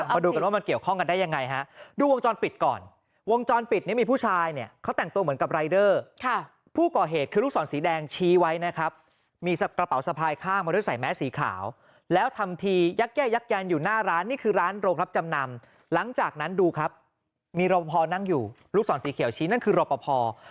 มาดูกันว่ามันเกี่ยวข้องกันได้ยังไงฮะดูวงจรปิดก่อนวงจรปิดนี่มีผู้ชายเนี่ยเขาแต่งตัวเหมือนกับรายเดอร์ผู้ก่อเหตุคือลูกศรสีแดงชี้ไว้นะครับมีกระเป๋าสะพายข้างมาด้วยใส่แมสสีขาวแล้วทำทียักแย่ยักยันอยู่หน้าร้านนี่คือร้านโรงรับจำนำหลังจากนั้นดูครับมีรอปภนั่งอยู่ลูกศรสีเขียวชี้นั่นคือรอปภ